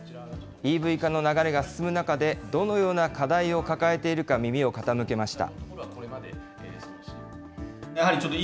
ＥＶ化の流れが進む中で、どのような課題を抱えているか耳を傾けました。